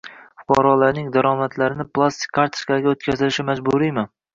Fuqarolarning daromadlarini plastik kartochkalarga o‘tkazilishi majburiymi?